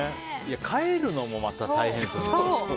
帰るのもまた大変ですよね。